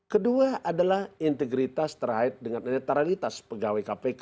kedua adalah integritas terkait dengan netralitas pegawai kpk